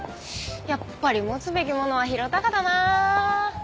やっぱり持つべきものは宏嵩だな。